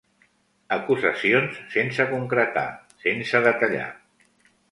Acusacions sense concretar, sense detallar.